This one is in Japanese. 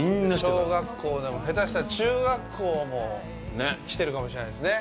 小学校でも、下手したら中学校も来てるかもしれないですね。